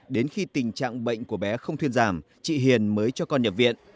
đến khi tình trạng bệnh của bé không thuyên giảm chị hiền mới cho con nhập viện